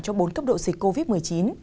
cho bốn cấp độ dịch covid một mươi chín